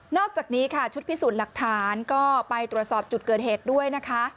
อกจากนี้ค่ะชุดพิสูจน์หลักฐานก็ไปตรวจสอบจุดเกิดเหตุด้วยนะคะ